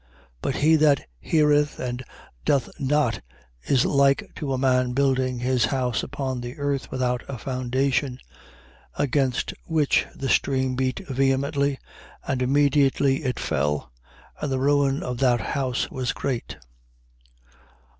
6:49. But he that heareth and doth not is like to a man building his house upon the earth without a foundation: against which the stream beat vehemently. And immediately it fell: and the ruin of that house was great.